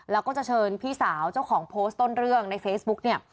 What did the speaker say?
แล้วก็จะเชิญพี่สาวเจ้าของโพสต์ต้นเรื่องในเฟซบุ๊กเนี่ย